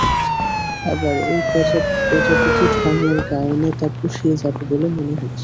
এবার এই প্রজাপতি ঢঙের গাউনে তা পুষিয়ে যাবে বলে মনে হচ্ছে।